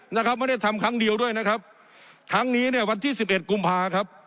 นะครับไม่ได้ทำครั้งเดียวด้วยนะครับครั้งนี้เนี่ยวันที่สิบเอ็ดกุมภาครับ